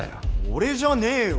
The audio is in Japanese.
俺じゃねえよ！